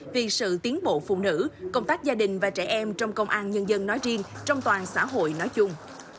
vì sự tiến bộ phụ nữ công tác gia đình và trẻ em trong công an nhân dân nói riêng trong toàn xã hội nói chung